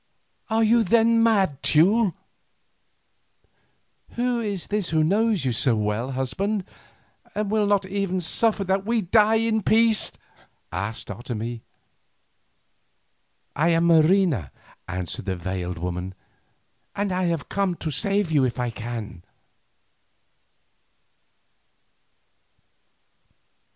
"Are you then mad, Teule?" "Who is this who knows you so well, husband, and will not even suffer that we die in peace?" asked Otomie. "I am Marina," answered the veiled woman, "and I come to save you if I can."